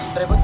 putri ya put